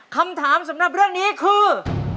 คำถามสำหรับเรื่องนี้คือ